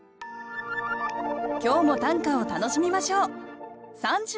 今日も短歌を楽しみましょう